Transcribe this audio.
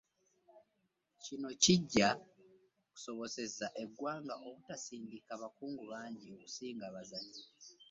Kino kijja kusobozesa eggwanga obutasindika bakungu bangi kusinga bazannyi